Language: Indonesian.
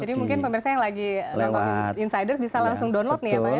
jadi mungkin pemirsa yang lagi insiders bisa langsung download nih ya pak ya